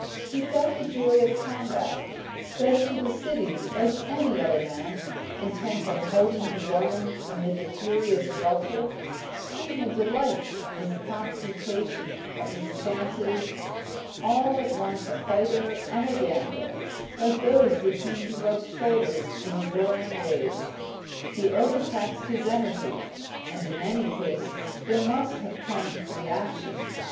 He felt the joy of combat; sped to the City like any other man, intent on holding his own amid the furious welter, seeing a delight in the computation of his chances; at once a fighter and a gambler, like those with whom he rubbed shoulders in the roaring ways. He overtaxed his energy, and in any case there must have come reaction.